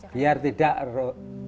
biar tidak erok